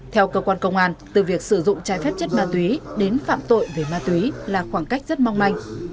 theo cơ quan công an từ việc sử dụng trái phép chất ma túy đến phạm tội về ma túy là khoảng cách rất mong manh